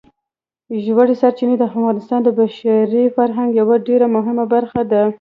ژورې سرچینې د افغانستان د بشري فرهنګ یوه ډېره مهمه برخه ده.